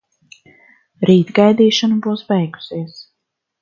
Rīt gaidīšana būs beigusies.